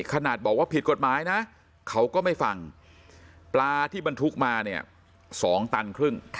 ขนาดบอกว่าผิดกฎหมายนะเขาก็ไม่ฟังปลาที่บรรทุกมาเนี่ย๒ตันครึ่ง